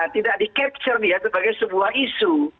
tidak di capture dia sebagai sebuah isu